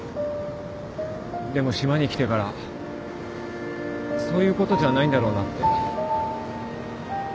でも島に来てからそういうことじゃないんだろうなって。